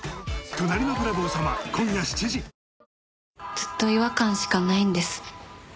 ずっと違和感しかないんです。